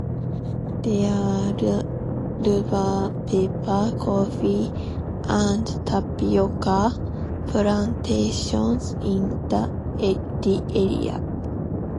There are rubber, pepper, coffee, and tapioca plantations in the area.